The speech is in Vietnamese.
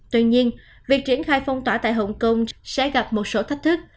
tuy nhiên việc triển khai phong tỏa tại hồng kông sẽ gặp một số thách thức